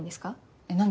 えっ何で？